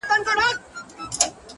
نو گراني تاته وايم;